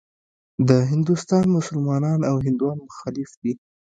د هندوستان مسلمانان او هندوان مخالف دي.